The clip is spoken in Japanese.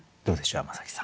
山崎さん。